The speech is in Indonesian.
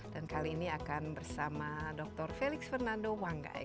dan kali ini akan bersama dr felix fernando wanggai